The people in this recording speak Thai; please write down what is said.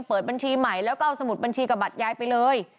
เปิดบัญชีใหม่แล้วก็เอาสมุดบัญชีกับบัตรยายไปเลย